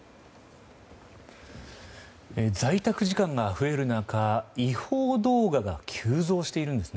在宅時間が増える中違法動画が急増しているんです。